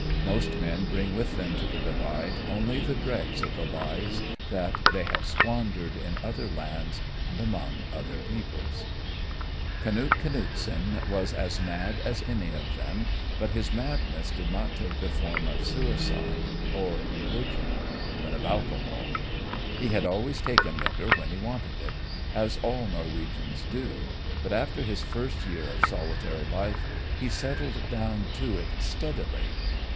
Most men bring with them to the Divide only the dregs of the lives that they have squandered in other lands and among other peoples. Canute Canuteson was as mad as any of them, but his madness did not take the form of suicide or religion but of alcohol. He had always taken liquor when he wanted it, as all Norwegians do, but after his first year of solitary life he settled down to it steadily.